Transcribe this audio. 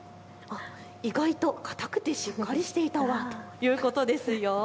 意外とかたくてしっかりしていたワンということですよ。